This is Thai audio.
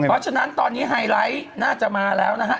เพราะฉะนั้นตอนนี้ไฮไลท์น่าจะมาแล้วนะฮะ